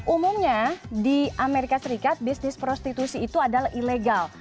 umumnya di amerika serikat bisnis prostitusi itu adalah ilegal